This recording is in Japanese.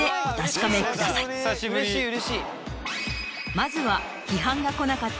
まずは。